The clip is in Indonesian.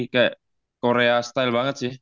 kayak korea style banget sih